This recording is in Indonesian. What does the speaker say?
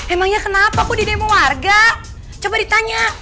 emangnya kenapa aku di demo warga coba ditanya